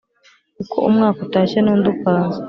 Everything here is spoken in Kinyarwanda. Uko umwaka utashye nundi ukaza